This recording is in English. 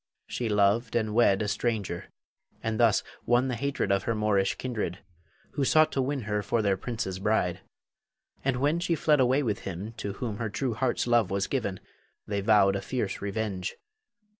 She loved and wed a stranger, and thus won the hatred of her Moorish kindred, who sought to win her for their prince's bride. And when she fled away with him to whom her true heart's love was given, they vowed a fierce revenge.